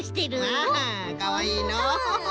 アハかわいいのう。